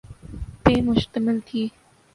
پہ مشتمل تھی۔